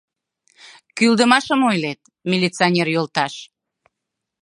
— Кӱлдымашым ойлет, милиционер йолташ...